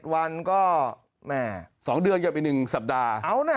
๖๗วันก็๒เดือนก็เป็น๑สัปดาห์